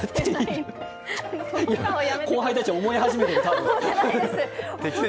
後輩たち、思い始めてる。